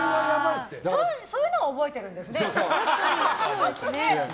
そういうのは覚えてるんですね。